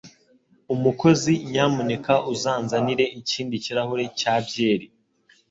Umukozi nyamuneka uzanzanire ikindi kirahure cya byeri